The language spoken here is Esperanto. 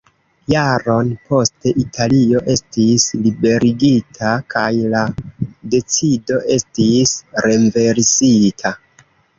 Jaron poste, Italio estis liberigita kaj la decido estis renversita.